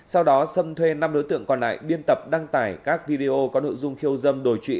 sau đó sâm thuê năm đối tượng còn lại biên tập đăng tải các video có nội dung khiêu dâm đổi trụy